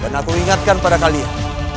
dan aku ingatkan pada kalian